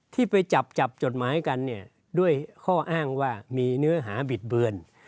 ที่ไปจับจับจดหมายกันเนี่ยด้วยข้ออ้างว่ามีเนื้อหาบิดเบือน